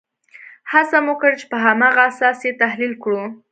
هڅه مو کړې په هماغه اساس یې تحلیل کړو.